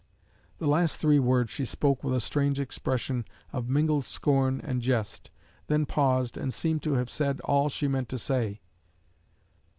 The last three words she spoke with a strange expression of mingled scorn and jest, then paused, and seemed to have said all she meant to say.